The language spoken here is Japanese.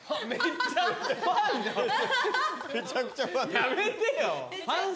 やめてよ。